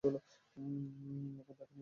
এখন তাকে নিয়ে বাইরে যাওয়া যায়।